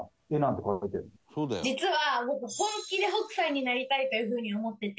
実は僕本気で北斎になりたいという風に思ってて。